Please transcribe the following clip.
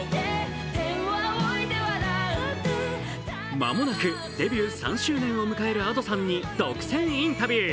間もなくデビュー３周年を迎えるＡｄｏさんに独占インタビュー。